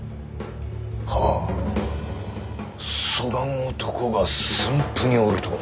はぁそがん男が駿府におるとは。